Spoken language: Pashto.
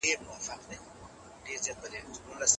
خلکو د توازن ساتلو له پاره هڅي کولې.